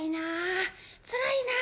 「つらいな。